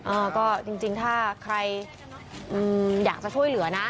เออก็จริงถ้าใครอยากจะช่วยเหลือนะ